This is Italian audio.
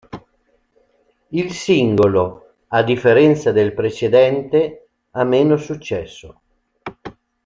Il singolo a differenza del precedente ha meno successo.